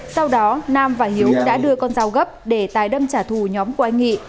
sau đó nam và hiếu đã đưa con dao gấp để tài đâm trả thù nhóm của anh nghị